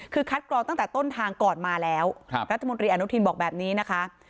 คือคัดกรองตั้งแต่ต้นทางก่อนมาแล้วรัฐมนตรีอนุทินบอกแบบนี้นะคะ